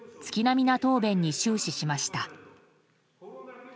月並みな答弁に終始しました。